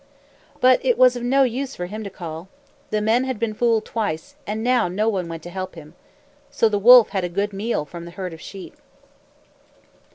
But it was of no use for him to call. The men had been fooled twice, and now no one went to help him. So the wolf had a good meal from the herd of sheep.